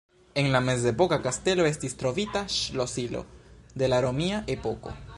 En la mezepoka kastelo estis trovita ŝlosilo de la romia epoko.